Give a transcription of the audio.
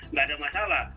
nggak ada masalah